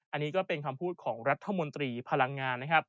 อันนี้ก็เป็นคำพูดของรัฐมนตรีพลังงานนะครับ